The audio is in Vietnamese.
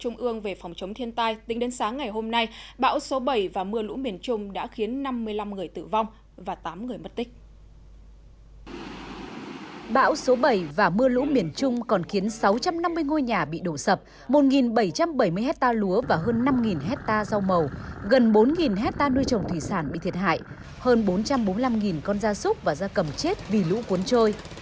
gần bốn hectare nuôi trồng thủy sản bị thiệt hại hơn bốn trăm bốn mươi năm con da súc và da cầm chết vì lũ cuốn trôi